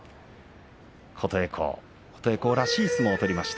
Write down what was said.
琴恵光らしい相撲を取りました。